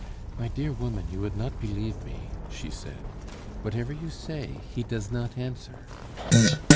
"My dear woman, you would not believe me," she said. "Whatever you say, he does not answer."